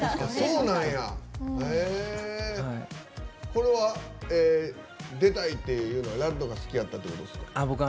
これは出たいっていうのはらっどが好きやったってことですか？